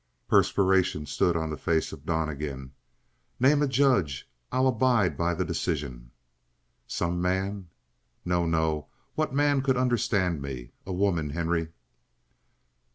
Perspiration stood on the face of Donnegan. "Name a judge; I'll abide by the decision." "Some man " "No, no. What man could understand me? A woman, Henry!"